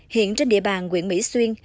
hiện trên địa bàn quyện mỹ xuyên